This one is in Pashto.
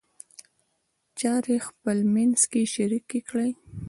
چارې خپلمنځ کې شریک کړئ.